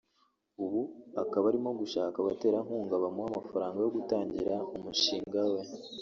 ubu akaba arimo gushaka abaterankunga bamuhe amafaranga yo gutangira umushinga we